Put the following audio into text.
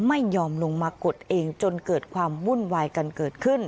ไม่ยอมลงมากดเองจนเกิดความวุ่นวายกันเกิดขึ้น